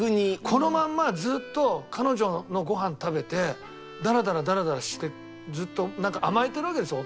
このまんまずっと彼女のご飯食べてダラダラダラダラしてずっと甘えてるわけですよ